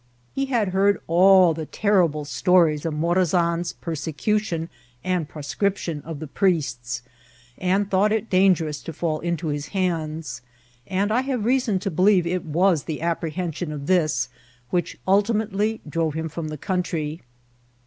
He had heard all the terrible stories of Morazan's persecution and proscription of the priests, and thought it dangerous to fall into his hands; and I have reason to believe it was the apprehension of this which ultimately drove him from the country.